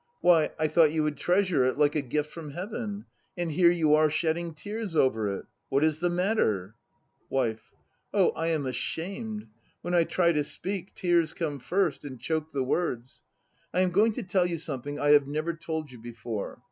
Why, I thought you would treasure it like a gift .matter? \ from Heaven. And here you are shedding tears over it ! What is the A> WIFE. Oh! I am ashamed. When I try to speak, tears come first and choke the words. I am going to tell you something I have never told you before.